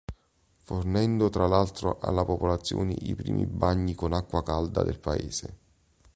Fornendo tra l'altro alla popolazione i primi bagni con acqua calda del paese.